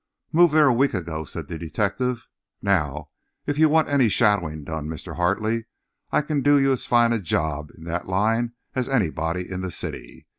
"Moved there a week ago," said the detective. "Now, if you want any shadowing done, Mr. Hartley, I can do you as fine a job in that line as anybody in the city.